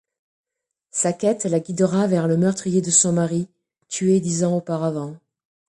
Sa quête la guidera vers le meurtrier de son mari, tué dix ans auparavant.